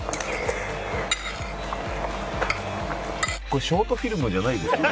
これショートフィルムじゃないですよね？